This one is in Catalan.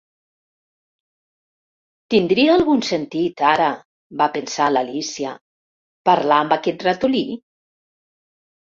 "Tindria algun sentit, ara", va pensar l'Alícia, "parlar amb aquest ratolí?"